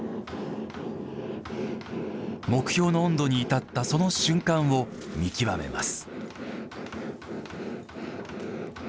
目標の温度に至った、その瞬間を見極めます。